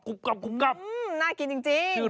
อื้มน่ากินจริง